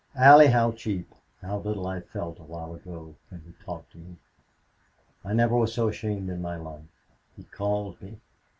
Allie, how cheap, how little I felt awhile ago, when he talked to me. I never was so ashamed in my life. He called me....